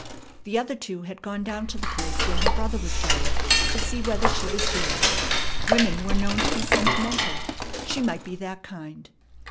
The other two had gone down to the place where her brother was buried to see whether she was there. Women were known to be sentimental. She might be that kind.